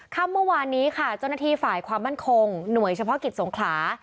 ค่ำเมื่อวานนี้ค่ะเจ้าหน้าที่ฝ่ายความมั่นคงหน่วยเฉพาะกิจสงขลา